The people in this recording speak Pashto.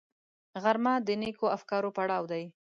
غرمه د نېکو افکارو پړاو دی